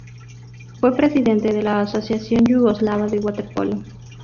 Fue presidente de la Asociación yugoslava de waterpolo.